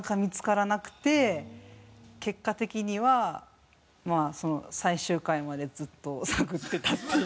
結果的にはまあ最終回までずっと探ってたっていう。